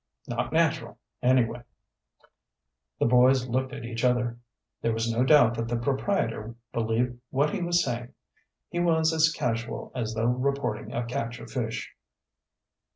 Not natural, anyway." The boys looked at each other. There was no doubt that the proprietor believed what he was saying. He was as casual as though reporting a catch of fish.